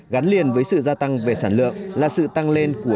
gắn liền với sự gia tăng về sản lượng là sự tăng lên của